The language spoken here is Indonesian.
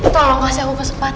tolong kasih aku kesempatan